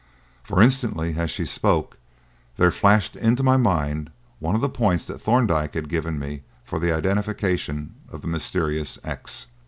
For, instantly, as she spoke, there flashed into my mind one of the points that Thorndyke had given me for the identification of the mysterious X.